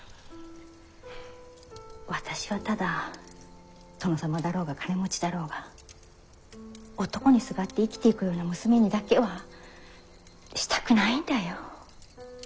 私はただ殿様だろうが金持ちだろうが男にすがって生きていくような娘にだけはしたくないんだよ。